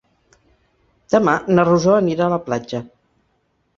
Demà na Rosó anirà a la platja.